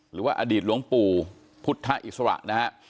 หรือว่าอดีตหลวงปู่พุทธอิสระนะฮะ